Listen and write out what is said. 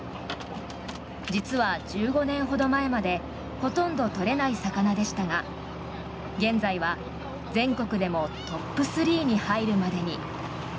実は、１５年ほど前までほとんど取れない魚でしたが現在は全国でもトップ３に入るまでに。